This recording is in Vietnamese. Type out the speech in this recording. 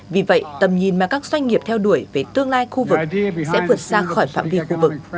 vì vậy tầm nhìn mà các doanh nghiệp theo đuổi về tương lai khu vực sẽ vượt xa khỏi phạm vi khu vực